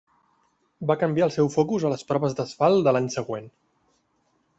Va canviar el seu focus a les proves d'asfalt de l'any següent.